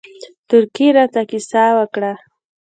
تورکي راته کيسه وکړه.